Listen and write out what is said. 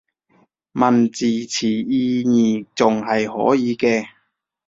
問字詞意義仲係可以嘅